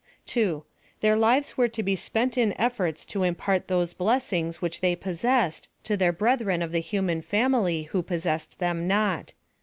2. Their lives were to be spent in efforts to im j)art those blessings which they possessed, to their brethren of the human family who possessed them not.